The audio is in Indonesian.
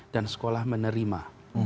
dan sekolah menerima